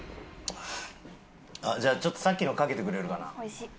ああじゃあちょっとさっきのかけてくれるかな。